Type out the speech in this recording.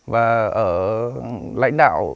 và ở lãnh đạo